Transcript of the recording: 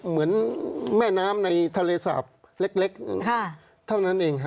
เหมือนแม่น้ำในทะเลสาปเล็กเท่านั้นเองฮะ